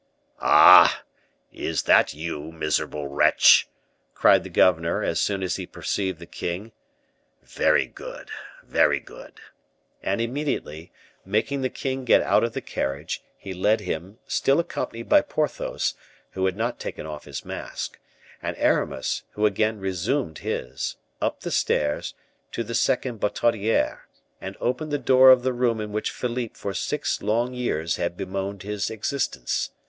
"Ah! is that you, miserable wretch?" cried the governor, as soon as he perceived the king. "Very good, very good." And immediately, making the king get out of the carriage, he led him, still accompanied by Porthos, who had not taken off his mask, and Aramis, who again resumed his, up the stairs, to the second Bertaudiere, and opened the door of the room in which Philippe for six long years had bemoaned his existence.